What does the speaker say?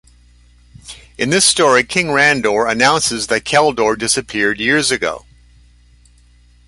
In this story King Randor announces that Keldor disappeared years ago.